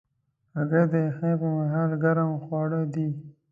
هګۍ د یخنۍ پر مهال ګرم خواړه دي.